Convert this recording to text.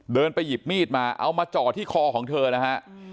เดินไปหยิบมีดมาเอามาจ่อที่คอของเธอนะฮะ